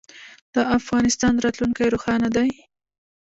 د افغانستان راتلونکی روښانه دی.